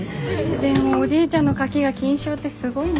でもおじいちゃんのカキが金賞ってすごいね。